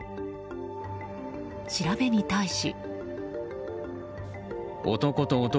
調べに対し。